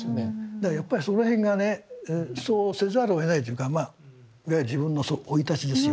だからやっぱその辺がねそうせざるをえないというかまあいわゆる自分の生い立ちですよ。